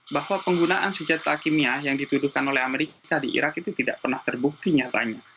bahwa penggunaan senjata kimia yang dituduhkan oleh amerika di irak itu tidak pernah terbukti nyatanya